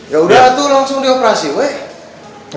yaudah tuh langsung dioperasi weh